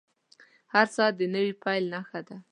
• هر ساعت د نوې پیل نښه ده.